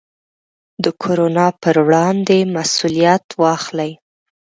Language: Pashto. د کورونا پر وړاندې مسوولیت واخلئ.